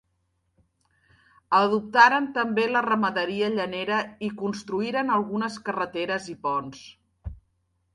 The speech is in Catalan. Adoptaren també la ramaderia llanera i construïren algunes carreteres i ponts.